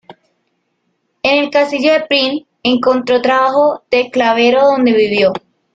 En el castillo de Prim encontró trabajo de Clavero donde vivió.